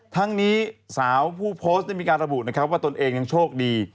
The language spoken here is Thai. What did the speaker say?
ทั้งนี้สาวผู้โพสต์ได้มีการระบุนะครับว่าตนเองยังโชคดี